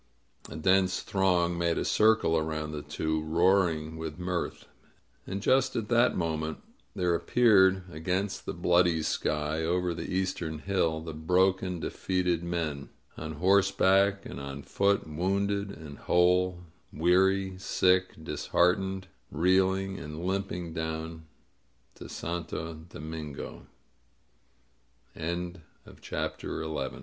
A dense throng made a circle around the two, roaring with mirth. And just at that moment there appeared against the bloody sky, over the eastern hill, the broken, defeated men — on horseback and on foot, wounded and whole, weary, sick, disheartened, reeling and limping down to Santo